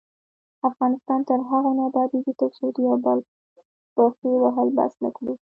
افغانستان تر هغو نه ابادیږي، ترڅو د یو بل پښې وهل بس نکړو.